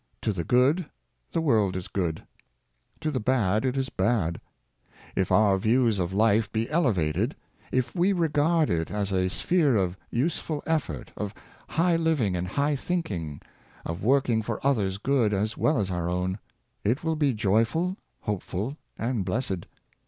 To the good, the world is good; to the bad, it is bad. If our views of life be elevated — if we regard it as a sphere of useful effort, of high living and high thinking, of working for others' good as well as our own — it will be joyful, hopeful, and blessed.